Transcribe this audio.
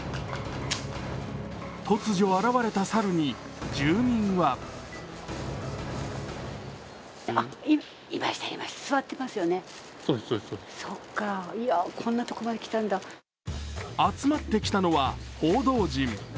突如現れた猿に住民は集まってきたのは報道陣。